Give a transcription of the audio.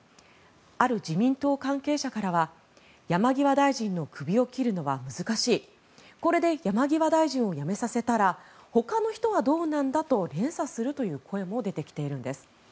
ある自民党関係者からは山際大臣のクビを切るのは難しいこれで山際大臣を辞めさせたらほかの人はどうなんだと連鎖するという声も出てきているんです。